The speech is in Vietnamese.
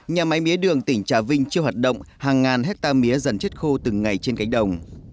nhà máy mía đường tỉnh trà vinh chưa hoạt động hàng ngàn hectare mía dần chết khô từng ngày trên cánh đồng